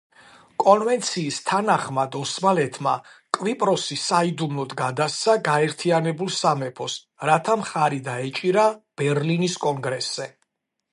კონვენციის თანახმად ოსმალეთმა კვიპროსი საიდუმლოდ გადასცა გაერთიანებულ სამეფოს რათა მხარი დაეჭირა ბერლინის კონგრესზე.